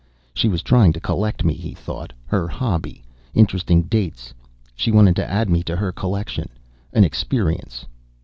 She was trying to collect me, he thought. Her hobby: interesting dates. She wanted to add me to her collection. An Experience.